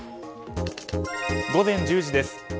午前１０時です。